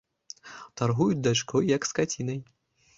Таргуюць дачкой, як скацінай.